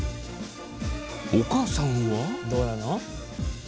お母さんは？